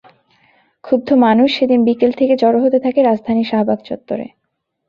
ক্ষুব্ধ মানুষ সেদিন বিকেল থেকে জড়ো হতে থাকে রাজধানীর শাহবাগ চত্বরে।